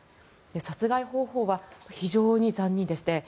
殺害方法は非常に残忍でして。